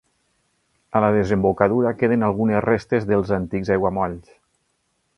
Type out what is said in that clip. A la desembocadura queden algunes restes dels antics aiguamolls.